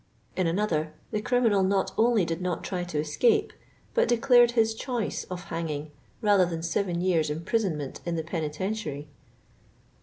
In another, the criminal not only^did not try to escape, but declared his choice of hanging rather than seven years' imprisonment in the penitentiary.